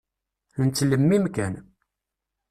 Nettlemmim kan.